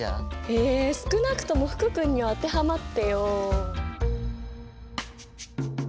え少なくとも福君には当てはまってよ。